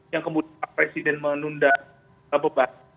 yang kemudian presiden menunda beban